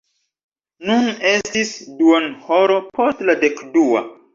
Nun estis duonhoro post la dekdua.